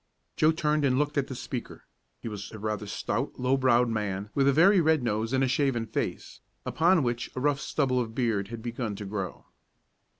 Joe turned and looked at the speaker. He was a rather stout, low browed man, with a very red nose and a shaven face, upon which a rough stubble of beard had begun to grow.